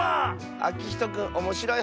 あきひとくんおもしろいはっけん